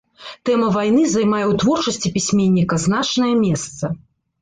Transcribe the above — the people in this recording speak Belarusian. Тэма вайны займае ў творчасці пісьменніка значнае месца.